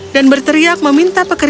dan berteriak meminta kepadaku